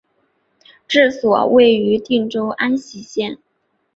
治所位于定州安喜县。